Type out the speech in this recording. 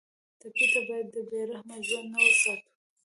ټپي ته باید د بې رحمه ژوند نه وساتو.